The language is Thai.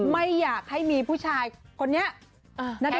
ไม่อยากให้มีผู้ชายคนแบบหน้าเดช